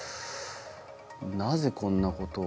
なぜこんなことを。